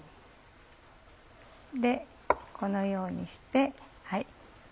このようにして。